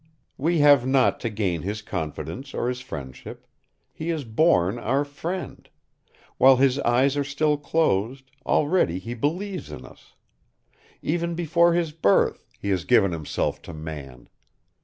We have not to gain his confidence or his friendship: he is born our friend; while his eyes are still closed, already he believes in us: even before his birth, he has given himself to man.